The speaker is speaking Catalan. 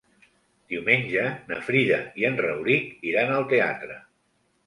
Diumenge na Frida i en Rauric iran al teatre.